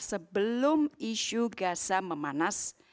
sebelum isu gaza memanas